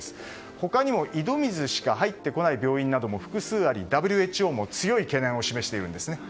他にも井戸水しか入ってこない病院なども複数ありＷＨＯも強い懸念を示しています。